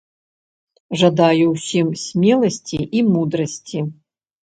Жадаю ўсім смеласці і мудрасці!